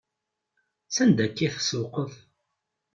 S anda akka i tsewwqeḍ?